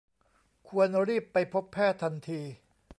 ควรรีบไปพบแพทย์ทันที